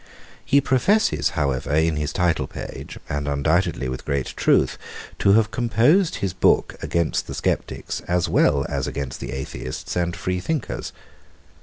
He professes, however, in his title page (and undoubtedly with great truth) to have composed his book against the sceptics as well as against the atheists and free thinkers.